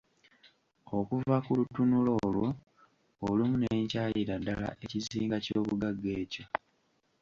Okuva ku lutunula olwo olumu ne nkyayira ddala Ekizinga ky'Obugagga ekyo.